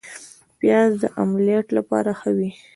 پیاز د املیټ لپاره ښه وي